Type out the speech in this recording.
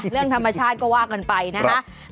เรื่องธรรมชาติก็ว่ากันไปนะฮะ